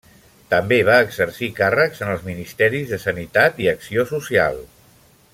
També va exercir càrrecs en els ministeris de Sanitat i Acció Social.